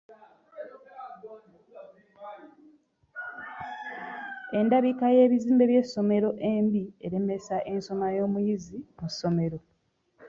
Endabika y'ebizimbe by'essomero embi eremesa ensoma y'omuyizi mu ssomero.